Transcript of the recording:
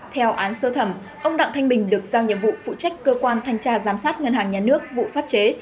theo án sơ thẩm ông đặng thanh bình được giao nhiệm vụ phụ trách cơ quan thanh tra giám sát ngân hàng nhà nước vụ pháp chế